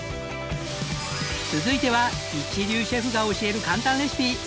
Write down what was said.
続いては一流シェフが教える簡単レシピ。